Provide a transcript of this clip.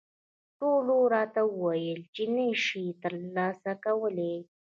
ټولو راته وویل چې نه یې شې ترلاسه کولای.